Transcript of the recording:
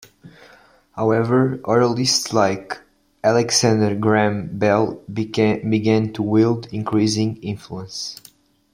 However, oralists like Alexander Graham Bell began to wield increasing influence.